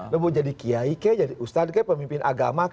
kemudian kembali ke jadi ustadz pemimpin agama